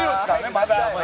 まだ。